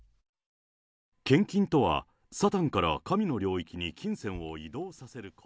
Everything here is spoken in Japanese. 献金とは、サタンから神の領域に金銭を移動させること。